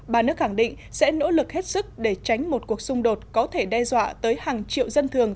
ba nước khẳng định sẽ nỗ lực hết sức để tránh một cuộc xung đột có thể đe dọa tới hàng triệu dân thường